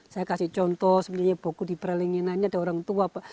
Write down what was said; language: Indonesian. saya kasih contoh sebenarnya boko di pralinginan ada orang tua pak